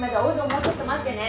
もうちょっと待ってね。